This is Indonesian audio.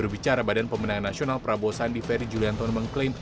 di bicara badan pemenang nasional prabowo sandi ferry julianto mengklaim